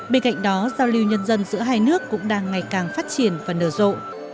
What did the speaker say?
bên cạnh đó giao lưu nhân dân giữa hai nước cũng đang ngày càng phát triển và nở rộ